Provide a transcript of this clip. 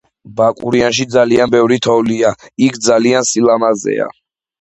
ბაკურიანსში ზაალიან ბევრი თოვლია იქ ძალიან სილამაზეა